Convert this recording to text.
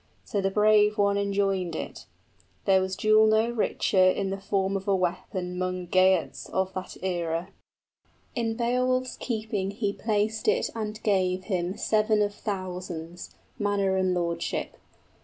} So the brave one enjoined it; there was jewel no richer In the form of a weapon 'mong Geats of that era; In Beowulf's keeping he placed it and gave him 50 Seven of thousands, manor and lordship.